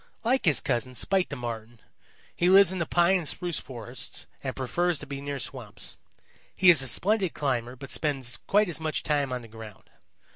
Like his cousin, Spite the Marten, he lives in the pine and spruce forests and prefers to be near swamps. He is a splendid climber but spends quite as much time on the ground.